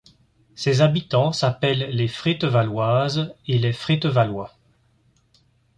Ses habitants s'appellent les Frétevalloises et les Frétevallois.